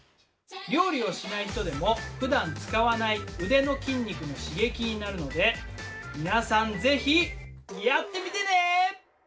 料理をしない人でもふだん使わない腕の筋肉の刺激になるので皆さんぜひやってみてね！